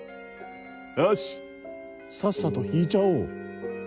よしさっさと引いちゃおう。